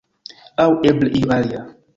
Aŭ eble io alia.